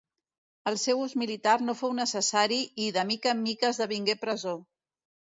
El seu ús militar no fou necessari i, de mica en mica, esdevingué presó.